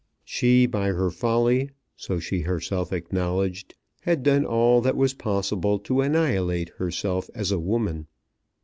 She, by her folly, so she herself acknowledged, had done all that was possible to annihilate herself as a woman.